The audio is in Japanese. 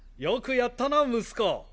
よくやったな息子！